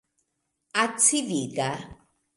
Acidiga.